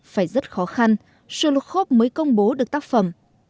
phải rất khó khăn solokhov mới công bố được tác phẩm